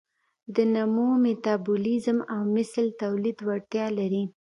د نمو، میتابولیزم او مثل تولید وړتیاوې لري.